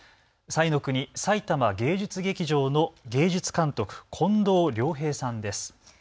彩の国さいたま芸術劇場の芸術監督、近藤良平さんです。